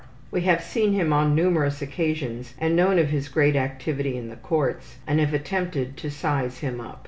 We have seen him on numerous occasions and known of his great activity in the courts, and have attempted to size him up.